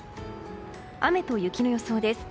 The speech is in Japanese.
雨と雪の予想です。